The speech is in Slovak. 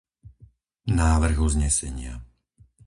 Návrh uznesenia,